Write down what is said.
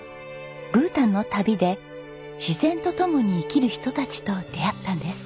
ブータンの旅で自然と共に生きる人たちと出会ったんです。